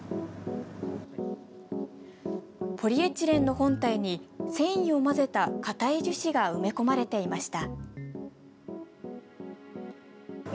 ポリエチレンの本体に繊維を混ぜた硬い樹脂が埋め込まれていました。